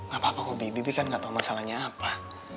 gak apa apa kok bibi kan gak tau masalahnya apa